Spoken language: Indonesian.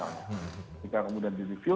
ketika kemudian direview